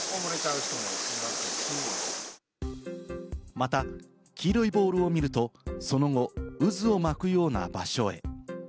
また黄色いボールを見ると、その後、渦を巻くような場所へ。